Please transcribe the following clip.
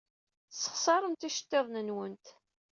Tessexṣaremt iceḍḍiḍen-nwent.